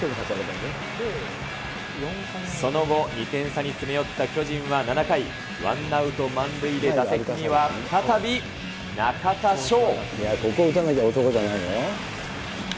その後、２点差に詰め寄った巨人は７回、ワンアウト満塁で打席には再び中田翔。